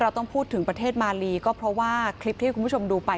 ต้องพูดถึงประเทศมาลีก็เพราะว่าคลิปที่คุณผู้ชมดูไป